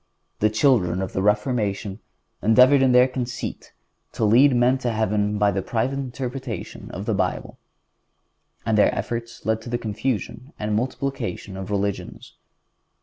The children of the Reformation endeavored in their conceit to lead men to heaven by the private interpretation of the Bible, and their efforts led to the confusion and the multiplication of religions.